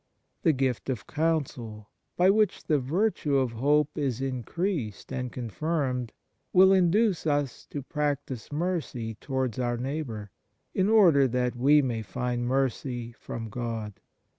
The gift of counsel, by which the virtue of hope is increased and confirmed, will induce us to practise mercy towards our neighbour, in order that we may find mercy from God.